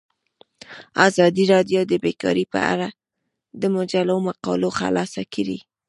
ازادي راډیو د بیکاري په اړه د مجلو مقالو خلاصه کړې.